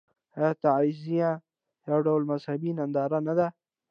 آیا تعزیه یو ډول مذهبي ننداره نه ده؟